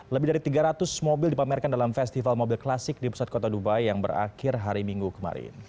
lebih dari tiga ratus mobil dipamerkan dalam festival mobil klasik di pusat kota dubai yang berakhir hari minggu kemarin